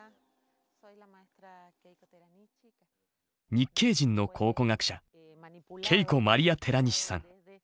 日系人の考古学者ケイコ・マリア・テラニシさん。